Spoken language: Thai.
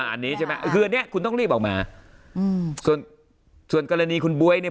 อันนี้ใช่ไหมคืออันนี้คุณต้องรีบออกมาอืมส่วนส่วนกรณีคุณบ๊วยเนี่ย